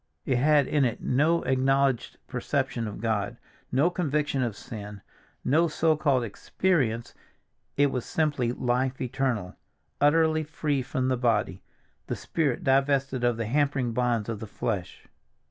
It had in it no acknowledged perception of God, no conviction of sin, no so called "experience"; it was simply life eternal, utterly free from the body, the spirit divested of the hampering bonds of the flesh.